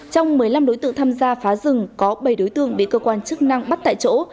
trong một mươi năm đối tượng tham gia phá rừng có bảy đối tượng bị cơ quan chức năng bắt tại chỗ